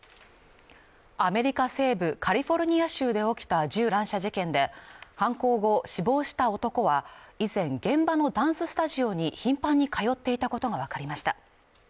アメリカ西部カリフォルニア州で起きた銃乱射事件で犯行後死亡した男は以前現場のダンススタジオに頻繁にかよっていたことが分かりました